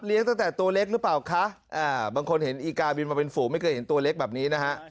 ตั้งแต่ตัวเล็กหรือเปล่าคะอ่าบางคนเห็นอีกาบินมาเป็นฝูงไม่เคยเห็นตัวเล็กแบบนี้นะฮะ